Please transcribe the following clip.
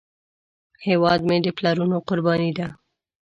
هیواد مې د پلرونو قرباني ده